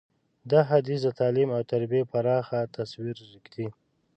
دا حدیث د تعلیم او تربیې پراخه تصویر ږدي.